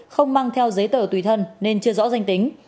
không mang theo giấy tờ tùy thân nên chưa rõ danh tính